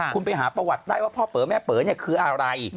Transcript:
คุณไปหาประวัติได้ว่าพ่อเป๋อแม่เป๋อเนี่ยคืออะไร